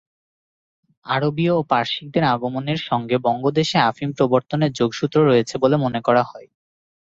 আরবীয় ও পারসিকদের আগমনের সঙ্গে বঙ্গদেশে আফিম প্রবর্তনের যোগসূত্র রয়েছে বলে মনে করা হয়।